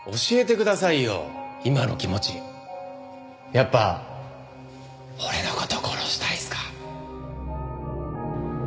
やっぱ俺の事殺したいっすか？